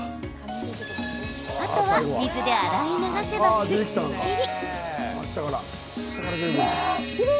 あとは、水で洗い流せばすっきり！